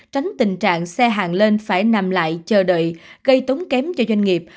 tránh tình trạng xe hàng lên phải nằm lại chờ đợi gây tốn kém cho doanh nghiệp